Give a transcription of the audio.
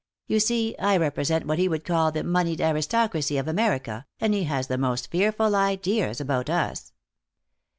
You see, I represent what he would call the monied aristocracy of America, and he has the most fearful ideas about us."